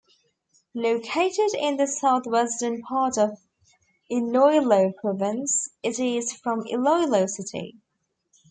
Located in the southwestern part of Iloilo Province, it is from Iloilo City.